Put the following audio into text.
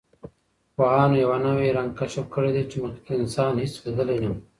پوهانو یوه نوی رنګ کشف کړی دی چې مخکې انسان هېڅ لیدلی نه و.